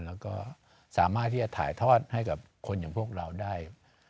แล้วก็สามารถที่จะถ่ายทอดให้กับคนอย่างพวกเราได้